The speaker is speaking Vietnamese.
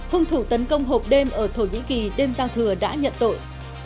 hung thủ tấn công hộp đêm ở thổ nhĩ kỳ đêm giao thừa đã nhận tội